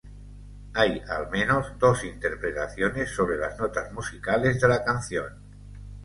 Hay, al menos, dos interpretaciones sobre las notas musicales de la canción.